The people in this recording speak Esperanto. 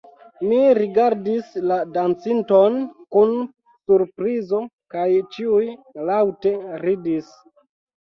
Mi rigardis la dancinton kun surprizo kaj ĉiuj laŭte ridis.